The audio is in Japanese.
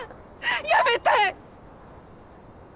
やめたい！